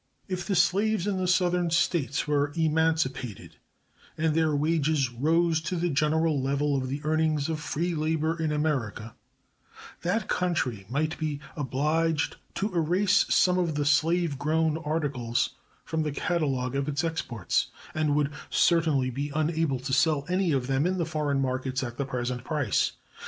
If the slaves in the Southern States were emancipated, and their wages rose to the general level of the earnings of free labor in America, that country might be obliged to erase some of the slave grown articles from the catalogue of its exports, and would certainly be unable to sell any of them in the foreign market at the present price.